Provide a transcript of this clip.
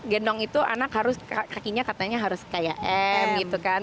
gendong itu anak harus kakinya katanya harus kayak m gitu kan